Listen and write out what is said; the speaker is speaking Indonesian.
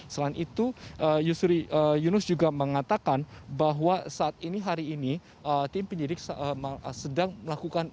selain itu yusri yunus juga mengatakan bahwa saat ini hari ini tim penyidik sedang melakukan